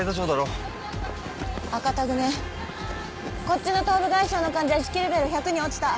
こっちの頭部外傷の患者意識レベル１００に落ちた。